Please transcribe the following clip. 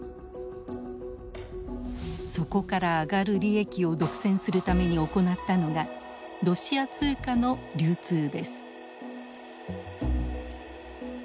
そこから上がる利益を独占するために行ったのがロシア通貨の流通です。